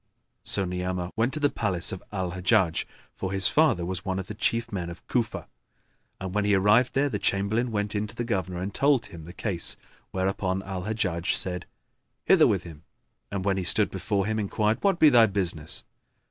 So Ni'amah went to the palace of Al Hajjaj, for his father was one of the chief men of Cufa; and, when he arrived there, the Chamberlain went in to the Governor and told him the case; whereupon Al Hajjaj said, "Hither with him!" and when he stood before him enquired, "What be thy business?"